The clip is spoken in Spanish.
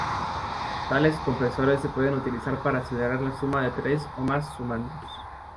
Tales compresores se pueden utilizar para acelerar la suma de tres o más sumandos.